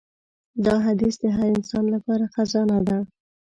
دا حدیث د هر انسان لپاره خزانه ده.